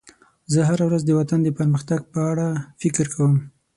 زه هره ورځ د وطن د پرمختګ په اړه فکر کوم.